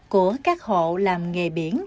của các hộ làm nghề biển